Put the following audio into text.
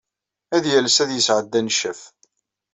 Ad yales ad d-yesɛeddi aneccaf.